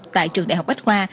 tại trường đại học bách khoa